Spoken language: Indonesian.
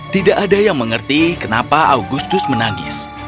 tidak ada yang mengerti kenapa augustus menangis